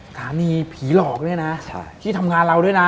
สถานีผีหลอกนี่นะที่ทำงานเราด้วยนะ